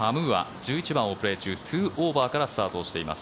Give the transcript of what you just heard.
１１番をプレー中２オーバーからスタートをしています。